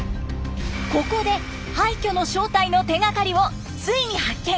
ここで廃虚の正体の手がかりをついに発見！